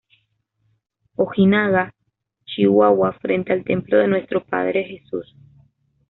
Ojinaga, Chihuahua frente al templo de Nuestro Padre Jesús.